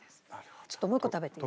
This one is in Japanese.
ちょっともう一個食べていい？